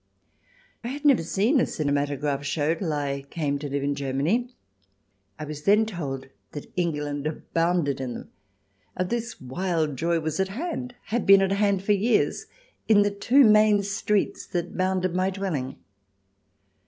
I had never seen a cinematograph show until I came to live in Germany. I was then told that England abounded in them, and that this wild joy was at hand, and had been at hand for years in the two main streets that bounded my dwelling.